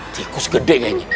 tikus gede kayaknya